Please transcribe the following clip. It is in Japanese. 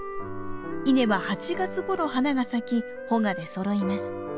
稲は８月ごろ花が咲き穂が出そろいます。